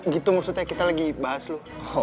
gitu maksudnya kita lagi bahas loh